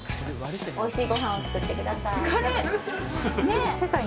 おいしいごはんを作ってください。